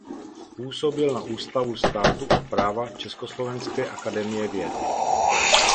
Působil na Ústavu státu a práva Československé akademie věd.